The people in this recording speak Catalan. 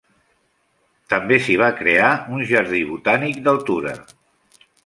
També s'hi va crear un jardí botànic d'altura.